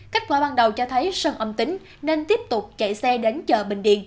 kết quả ban đầu cho thấy sơn âm tính nên tiếp tục chạy xe đến chợ bình điền